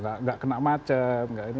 enggak kena macet